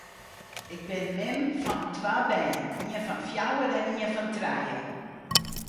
Ik bin mem fan twa bern, ien fan fjouwer en ien fan trije.